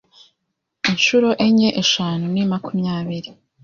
Inshuro enye eshanu ni makumyabiri.